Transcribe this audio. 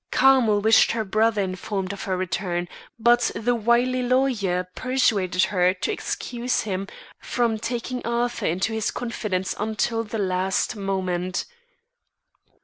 Carmel wished her brother informed of her return, but the wily lawyer persuaded her to excuse him from taking Arthur into his confidence until the last moment.